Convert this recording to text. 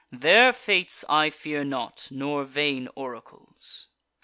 Their fates I fear not, or vain oracles.